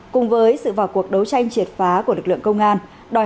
cùng với sự vào cuộc đấu tranh triệt phá của lực lượng công an